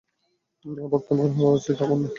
অবাক তোমার হওয়া উচিত, আমার না।